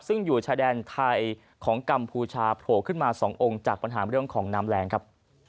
ซึ่งอยู่ชายแดนไทยของกัมพูชาโผล่ขึ้นมา๒องค์จากปัญหาเรื่องของน้ำแรงครับ